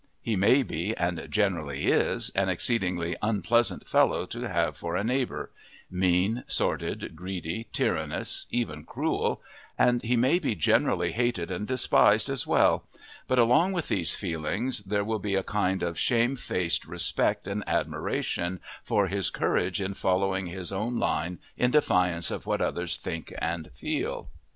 He may be, and generally is, an exceedingly unpleasant fellow to have for a neighbour mean, sordid, greedy, tyrannous, even cruel, and he may be generally hated and despised as well, but along with these feelings there will be a kind of shamefaced respect and admiration for his courage in following his own line in defiance of what others think and feel.